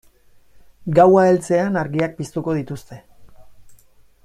Gaua heltzean argiak piztuko dituzte.